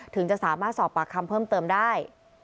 ถึงจะสามารถสอบปากคำเพิ่มเติมได้